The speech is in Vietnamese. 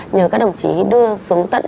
nhờ các đồng chí đưa xuống tận